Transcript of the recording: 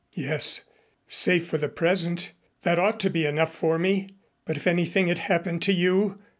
"Yes safe for the present. That ought to be enough for me. But if anything had happened to you